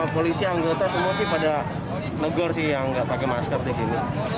polisi anggota semua pada negara yang tidak pakai masker di sini